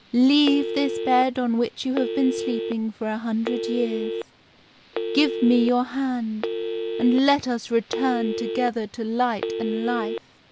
Leave this bed on which you have been sleeping for a hundred years, give me your hand, and let us return together to light and life.